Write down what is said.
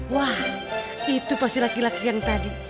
wah itu pasti laki laki yang tadi